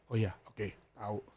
oh ya oke tau